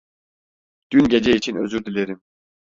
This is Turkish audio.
Dün gece için özür dilerim.